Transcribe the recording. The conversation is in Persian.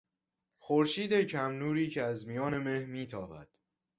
خورشید کم نوری که از میان مه میتابد